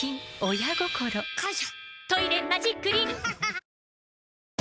親心！感謝！